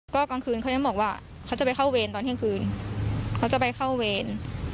ก็กลางคืนเขายังบอกว่าเขาจะไปเข้าเวรตอนเที่ยงคืนเขาจะไปเข้าเวร